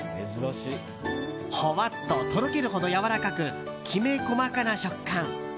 ほわっととろけるほどやわらかくきめ細かな食感。